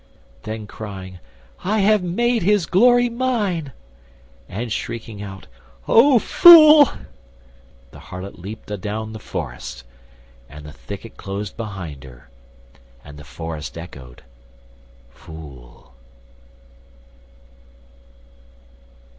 Then crying "I have made his glory mine," And shrieking out "O fool!" the harlot leapt Adown the forest, and the thicket closed Behind her, and the forest echoed "fool."